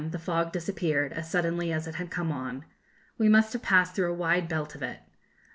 the fog disappeared, as suddenly as it had come on. We must have passed through a wide belt of it. At 5.